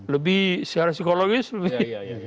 lebih secara psikologis lebih